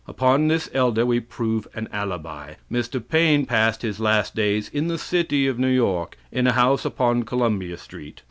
Upon this elder we prove an alibi. Mr. Paine passed his last days in the City of New York, in a house upon Columbia Street.